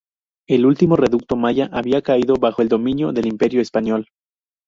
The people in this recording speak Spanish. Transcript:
El último reducto maya había caído bajo el dominio del imperio español.